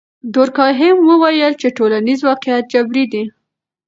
دورکهایم وویل چې ټولنیز واقعیت جبري دی.